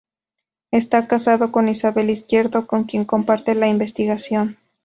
Está casado con Isabel Izquierdo, con quien comparte la investigación.